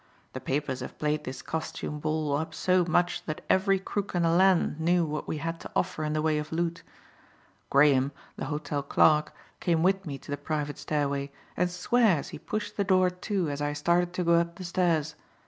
The papers have played this costume ball up so much that every crook in the land knew what we had to offer in the way of loot. Graham, the hotel clerk, came with me to the private stairway and swears he pushed the door to as I started to go up the stairs.